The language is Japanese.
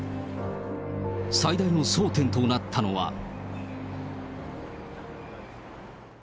最大の争点となったのは。